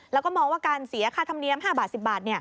แล้วก็มองว่าการเสียค่าธรรมเนียม๕บาท๑๐บาท